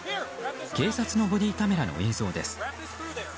警察のボディーカメラの映像です。